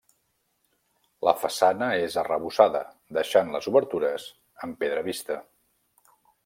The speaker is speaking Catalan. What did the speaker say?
La façana és arrebossada deixant les obertures amb pedra vista.